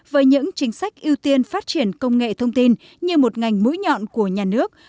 với những chính sách ưu tiên phát triển công nghệ thông tin như một ngành mũi nhọn của nhà nước